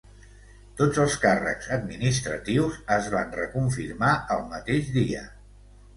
Tots els càrrecs administratius es van reconfirmar el mateix dia.